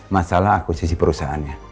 masalah aku sisi perusahaannya